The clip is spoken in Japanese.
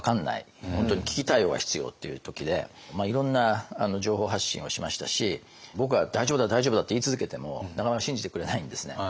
本当に危機対応が必要っていう時でいろんな情報発信をしましたし僕が大丈夫だ大丈夫だって言い続けてもなかなか信じてくれないんですね。